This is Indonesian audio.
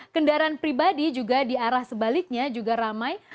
kendaraan pribadi juga di arah sebaliknya juga ramai